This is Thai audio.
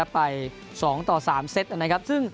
ไป๒๓เซตนะครับ